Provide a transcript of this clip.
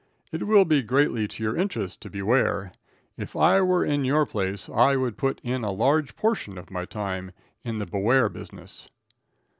It will be greatly to your interest to beware. If I were in your place I would put in a large portion of my time in the beware business."